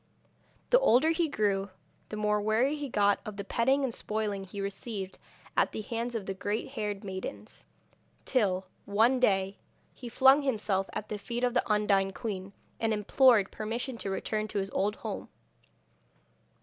The older he grew the more weary he got of the petting and spoiling he received at the hands of the green haired maidens, till, one day, he flung himself at the feet of the Undine queen, and implored permission to return to his old home.